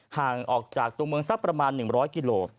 ห่างออกจากตัวเมืองสักประมาณ๑๐๐กิโล